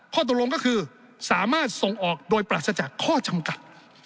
ข้อตกลงก็คือสามารถส่งออกโดยปราศจากข้อจำกัด